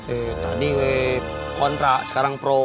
eh tadi kontra sekarang pro